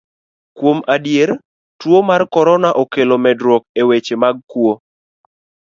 Kuom adier, tuo mar korona okelo medruok e weche mag kuo.